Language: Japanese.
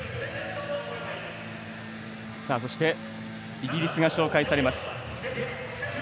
イギリスが紹介されます。